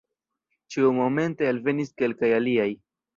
Ĉiumomente alvenis kelkaj aliaj.